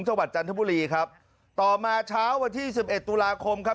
จังหวัดจันทบุรีครับต่อมาเช้าวันที่๑๑ตุลาคมครับ